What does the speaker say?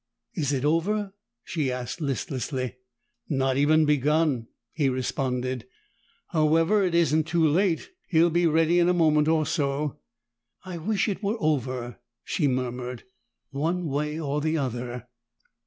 "Is it over?" she asked listlessly. "Not even begun," he responded. "However, it isn't too late. He'll be ready in a moment or so." "I wish it were over," she murmured. "One way or the other."